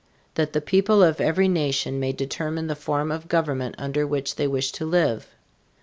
That the people of every nation may determine the form of government under which they wish to live.